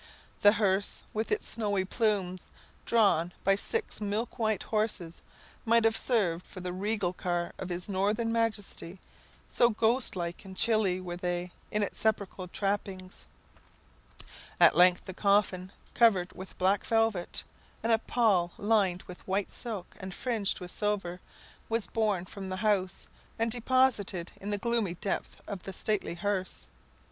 The hearse, with its snowy plumes, drawn by six milk white horses, might have served for the regal car of his northern majesty, so ghost like and chilly were its sepulchral trappings. At length the coffin, covered with black velvet, and a pall lined with white silk and fringed with silver, was borne from the house and deposited in the gloomy depths of the stately hearse.